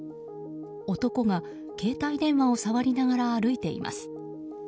男が携帯電話を触りながら歩いています。